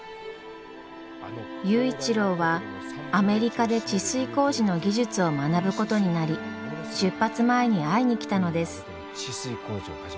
佑一郎はアメリカで治水工事の技術を学ぶことになり出発前に会いに来たのです。